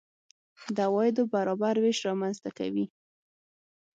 د عوایدو برابر وېش رامنځته کوي.